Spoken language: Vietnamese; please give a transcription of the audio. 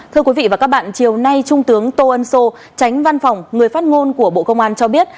thưa quý vị và các bạn chiều nay trung tướng tô ân sô tránh văn phòng người phát ngôn của bộ công an cho biết